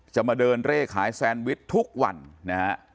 มาเดินเร่ขายแซนวิชทุกวันนะฮะ